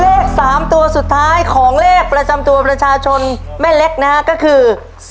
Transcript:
เลข๓ตัวสุดท้ายของเลขประจำตัวประชาชนแม่เล็กนะฮะก็คือ